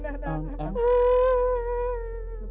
แอมป์